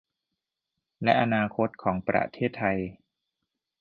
และอนาคตของประเทศไทย